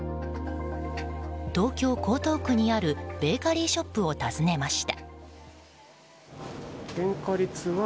東京・江東区にあるベーカリーショップを訪ねました。